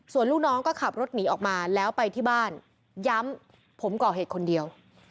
ส่วนลูกน้องก็ขับรถหนีออกมาแล้วไปที่บ้านย้ำผมก่อเหตุคนเดียว